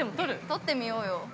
◆撮ってみようよ。